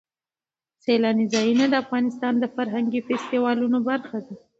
سیلانی ځایونه د افغانستان د فرهنګي فستیوالونو برخه ده.